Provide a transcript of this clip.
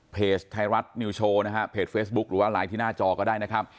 เพจไทยรัฐนิวโชว์นะฮะเพจเฟซบุ๊คหรือว่าไลน์ที่หน้าจอก็ได้นะครับ